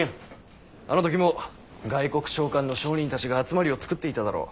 あの時も外国商館の商人たちが集まりを作っていただろう。